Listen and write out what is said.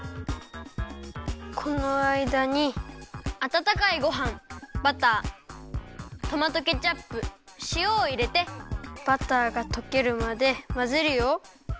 このあいだにあたたかいごはんバタートマトケチャップしおをいれてバターがとけるまでまぜるよ。